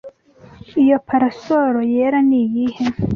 Iyo parasol yera ni iye.